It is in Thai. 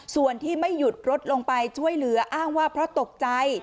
ส่วนที่ไม่หยุดรถลงไปช่วยเหลืออ้างว่าเพราะตกใจ